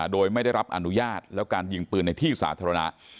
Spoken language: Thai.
โดยไม่ได้รับอนุญาตแล้วการยิงปืนในที่สาธารณะ